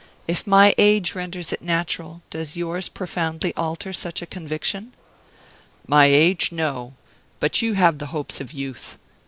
If my age renders it natural, does yours profoundly alter such a conviction?" "My age, no. But you have the hopes of youth.